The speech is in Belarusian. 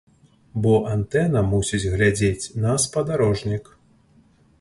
Бо антэна мусіць глядзець на спадарожнік.